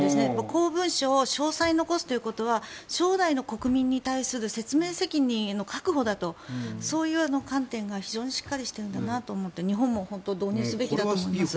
公文書を詳細に残すということは将来の国民に対する説明責任への確保だとそういう観点が非常にしっかりしているんだなと思って日本も導入するべきだと思います。